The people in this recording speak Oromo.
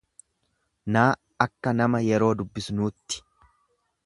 n akka nama yeroo dubbisnuutti.